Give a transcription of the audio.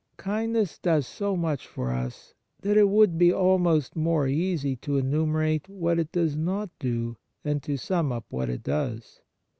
Kindness does so much for us that it would be almost more easy to enumerate what it does not do than to sum up what it does.